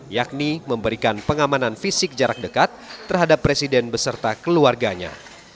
yakni memberikan pengamanan fisik jarak dekat terhadap presiden beserta keluarganya